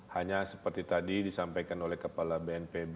hanya seperti tadi disampaikan oleh kepala bnpb